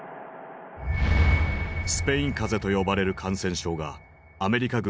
「スペイン風邪」と呼ばれる感染症がアメリカ軍で流行。